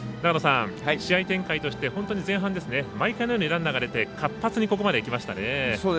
試合展開として本当に前半毎回のようにランナーが出て活発にここまできましたね。